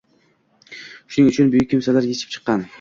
Shunig uchun buyuk kimsalar yetishib chiqqan.